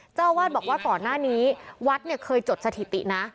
เจ้าวาดบอกว่าต่อหน้านี้วัดเคยจดสถิตินะ